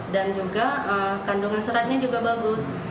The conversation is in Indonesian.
dan juga kandungan seratnya juga bagus